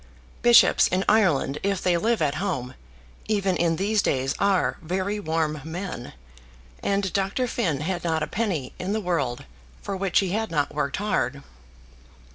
Bishops in Ireland, if they live at home, even in these days, are very warm men; and Dr. Finn had not a penny in the world for which he had not worked hard.